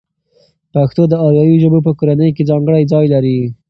پښتو د آریایي ژبو په کورنۍ کې ځانګړی ځای لري.